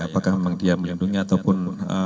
apakah memang dia melindungi ataupun